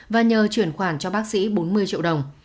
và nhờ chuyển khoản cho bác sĩ bốn mươi triệu đồng